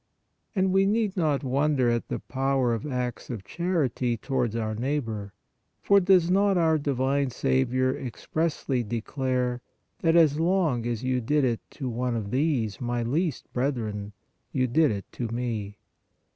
And we need not wonder at the power of acts of charity towards our neighbor, for does not our divine Saviour expressly declare that " as long as you did it to one of these my least brethren, you did it to Me?